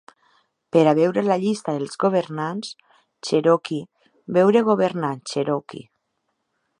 Per a veure la llista dels governants cherokee, veure Governants Cherokee.